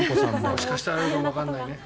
もしかしたらあるかもわからないね。